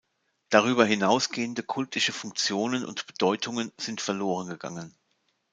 Darüber hinausgehende kultische Funktionen und Bedeutungen sind verlorengegangen.